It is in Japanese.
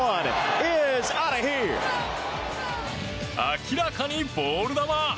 明らかにボール球。